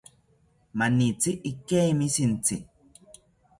Manitzi ikeimi shintzi